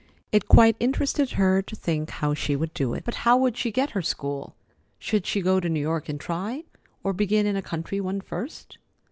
It quite interested her to think how she would do it. But how would she get her school? Should she go to New York and try, or begin in a country one first?